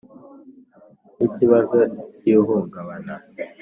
n ikibazo cy ihungabana